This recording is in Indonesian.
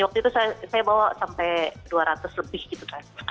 waktu itu saya bawa sampai dua ratus lebih gitu kan